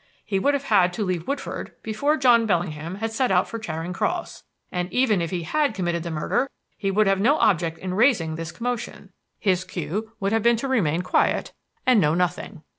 He would have had to leave Woodford before John Bellingham had set out for Charing Cross. And even if he had committed the murder, he would have no object in raising this commotion. His cue would have been to remain quiet and know nothing.